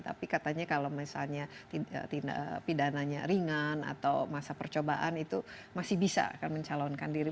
tapi katanya kalau misalnya tindak pidananya ringan atau masa percobaan itu masih bisa mencalonkan diri